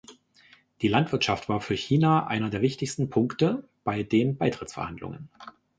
Die Landwirtschaft war für China einer der wichtigsten Punkte bei den Beitrittsverhandlungen.